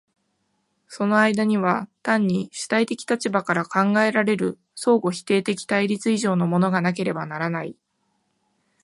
その間には単に主体的立場から考えられる相互否定的対立以上のものがなければならない。